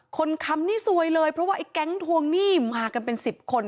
คนค้ำนี่สวยเลยเพราะว่าแก๊งทวงหนี้มากันเป็น๑๐คน